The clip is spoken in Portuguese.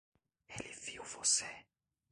Ele viu você?